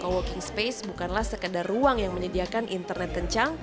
co working space bukanlah sekadar ruang yang menyediakan interaksi